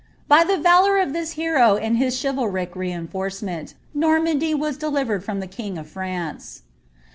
By the nJour of this hero and his chlvalric reinforcement, Normandy was deli vered from the king of France.